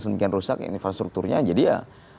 sedemikian rusak infrastrukturnya jadi ya